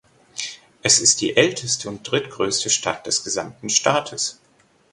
Es ist die älteste und drittgrößte Stadt des gesamten Staates.